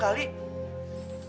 aku mau pulang